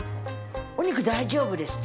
お肉大丈夫です。